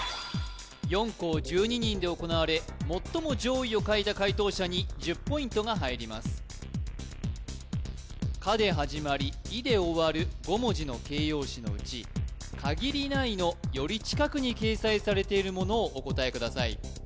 」４校１２人で行われ最も上位を書いた解答者に１０ポイントが入ります「か」で始まり「い」で終わる５文字の形容詞のうち「かぎりない」のより近くに掲載されているものをお答えください